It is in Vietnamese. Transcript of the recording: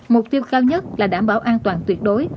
mục tiêu cao nhất là đảm bảo an toàn tuyệt đối